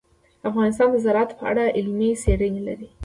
افغانستان د زراعت په اړه علمي څېړنې لري.